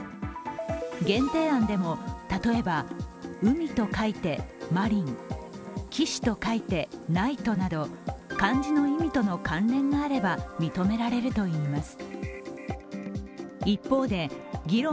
限定案でも例えば、「海」と書いて「まりん」、「騎士」と書いて「ないと」など漢字の意味との関連があれば認められるといいます。